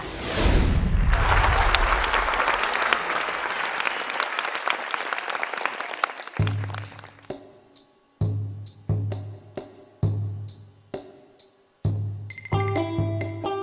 โซมม้าที่กำลังกลัวลับนาน